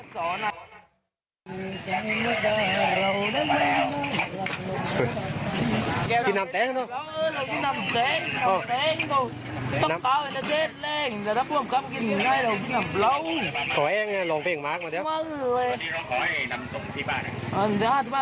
พอที่เราขอให้ทำส่งที่บ้าน